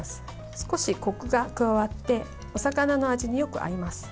少し、こくが加わってお魚の味によく合います。